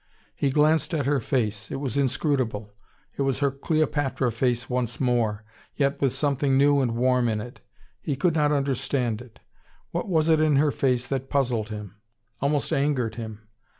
He glanced at her face: it was inscrutable: it was her Cleopatra face once more, yet with something new and warm in it. He could not understand it. What was it in her face that puzzled him? Almost angered him?